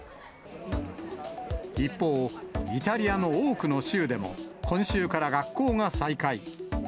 一方、イタリアの多くの州でも、今週から学校が再開。